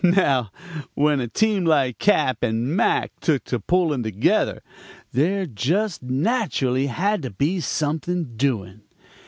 "Now, when a team like Cap. and Mac took to pulling together, there just naturally had to be something doing.